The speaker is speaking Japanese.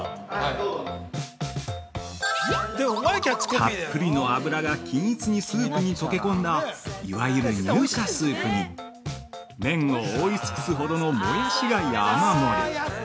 ◆たっぷりの脂が均一にスープに溶け込んだ、いわゆる乳化スープに、麺を覆い尽くすほどのモヤシが山盛り。